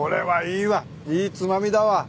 いいつまみだわ。